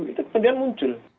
itu kemudian muncul